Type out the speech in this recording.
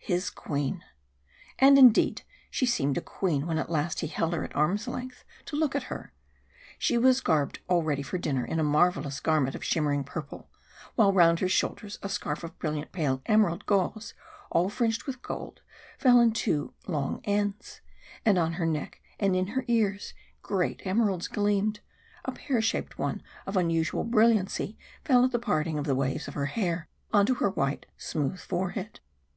His Queen! And, indeed, she seemed a queen when at last he held her at arms' length to look at her. She was garbed all ready for dinner in a marvellous garment of shimmering purple, while round her shoulders a scarf of brilliant pale emerald gauze, all fringed with gold, fell in two long ends, and on her neck and in her ears great emeralds gleamed a pear shaped one of unusual brilliancy fell at the parting of her waves of hair on to her white smooth forehead.